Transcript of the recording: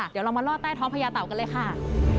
เดี๋ยวเรามาล่อใต้ท้องพญาเต่ากันเลยค่ะ